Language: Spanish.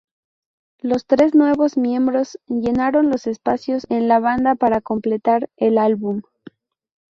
Los tres nuevos miembros llenaron los espacios en la banda para completar el álbum.